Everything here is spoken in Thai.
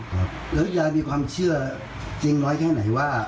แล้วยายมีความเชื่อจริงน้อยแค่ไหนว่า